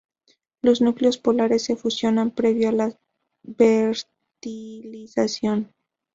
Los núcleos polares se fusionan previo a la fertilización.